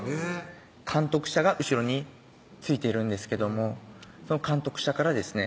監督車が後ろについているんですけどもその監督車からですね